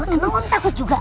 emang om takut juga